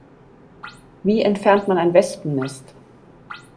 Wie entfernt man ein Wespennest?